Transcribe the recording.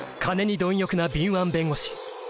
［金に貪欲な敏腕弁護士］